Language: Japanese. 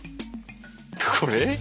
これ？